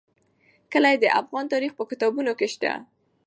کلي د افغان تاریخ په کتابونو کې شته.